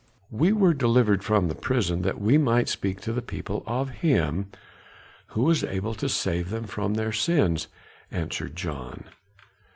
"We were delivered from the prison that we might speak to the people of him who is able to save them from their sins," answered John.